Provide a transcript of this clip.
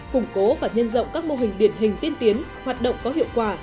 củng cố và nhân rộng các mô hình điển hình tiên tiến hoạt động có hiệu quả